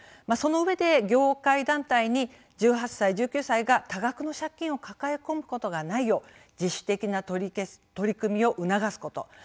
そのうえで業界団体に１８歳１９歳が多額の借金を抱え込むことがないよう自主的な取り組みを促すこと